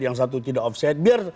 yang satu tidak offside